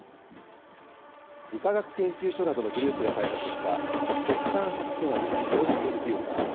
理化学研究所などのグループが開発した国産初となる量子コンピューター。